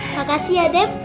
makasih ya deb